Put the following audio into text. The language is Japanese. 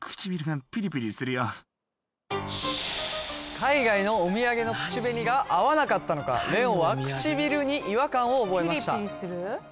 海外のお土産の口紅が合わなかったのかレオンは唇に違和感を覚えました